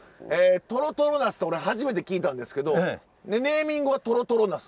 とろとろナスって俺初めて聞いたんですけどネーミングはとろとろナス